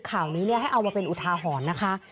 ข่าวนี้ให้เอามาเป็นอุทาหรณ์นะคะ